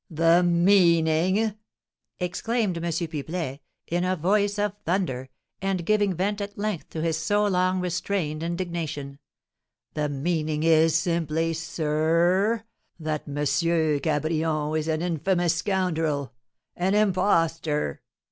"The meaning!" exclaimed M. Pipelet, in a voice of thunder, and giving vent at length to his so long restrained indignation; "the meaning is simply, sir r r, that M. Cabrion is an infamous scoundrel, an impostor!"